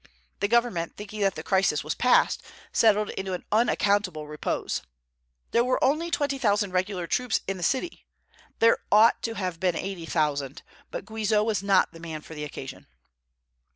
The government, thinking that the crisis was passed, settled into an unaccountable repose. There were only twenty thousand regular troops in the city. There ought to have been eighty thousand; but Guizot was not the man for the occasion.